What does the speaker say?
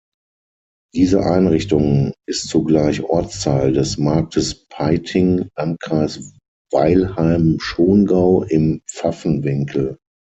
Diese Einrichtung ist zugleich Ortsteil des Marktes Peiting, Landkreis Weilheim-Schongau, im Pfaffenwinkel.